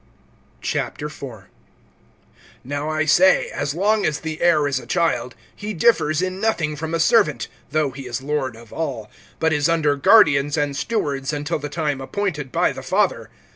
IV. NOW I say, as long as the heir is a child, he differs in nothing from a servant though he is lord of all; (2)but is under guardians and stewards, until the time appointed by the father.